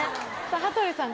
羽鳥さん